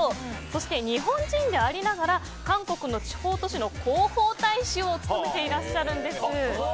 そして、日本人でありながら韓国の地方都市の広報大使を務めていらっしゃるんです。